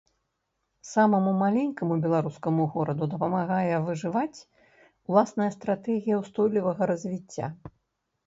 Самаму маленькаму беларускаму гораду дапамагае выжываць уласная стратэгія ўстойлівага развіцця.